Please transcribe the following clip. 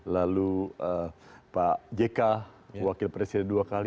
lalu pak jk wakil presiden dua kali